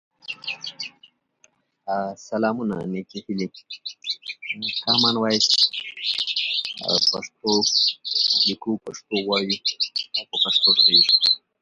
ما لپاره نوې خبرې وې.